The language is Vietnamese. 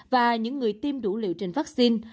và những người tiêm đủ liệu trên vaccine